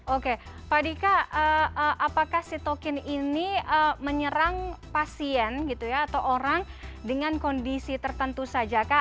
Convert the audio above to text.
oke pak dika apakah sitokin ini menyerang pasien gitu ya atau orang dengan kondisi tertentu saja kah